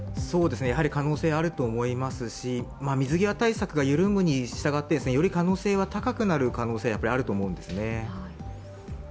可能性、あると思いますし水際対策が緩むに従ってより可能性は高くなることはあると思うんですね。